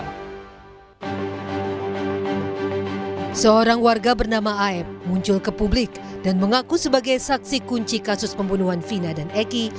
aep menawarkan perlindungan sebagai saksi kunci kasus pembunuhan fina dan eki